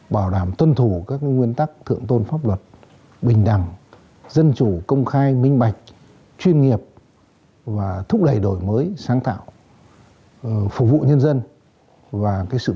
bảo đảm tuân thủ các nguyên tắc thượng tôn pháp luật bình đẳng dân chủ công khai minh bạch chuyên nghiệp thúc đẩy đổi mới sáng tạo phục vụ nhân dân và sự phát triển của đất nước